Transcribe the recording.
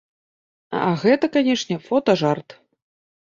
А гэта, канечне, фотажарт!